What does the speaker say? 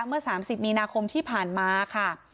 เมื่อ๓๐มีนาคมที่ผ่านมาค่ะ